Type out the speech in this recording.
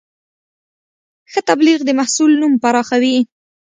ښه تبلیغ د محصول نوم پراخوي.